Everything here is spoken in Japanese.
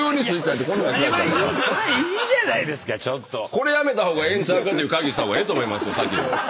これやめた方がええんちゃうか？って会議した方がええと思います。